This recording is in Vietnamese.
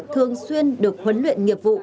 thường xuyên được huấn luyện nghiệp vụ